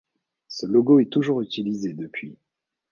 Ce logo est toujours utilisé depuis.